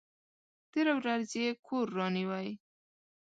تېره ورځ یې کور رانیوی!